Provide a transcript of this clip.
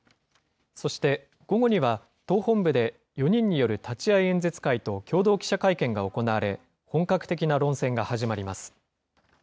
そして、午後には党本部で４人による立会演説会と共同記者会見が行われ、本格的な論戦が始まります。